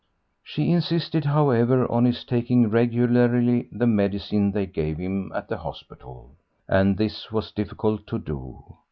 She insisted, however, on his taking regularly the medicine they gave him at the hospital, and this was difficult to do.